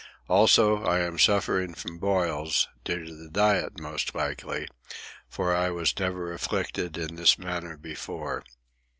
Also, I am suffering from boils, due to the diet, most likely, for I was never afflicted in this manner before.